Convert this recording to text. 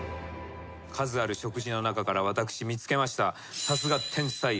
数ある食事の中から私見つけました。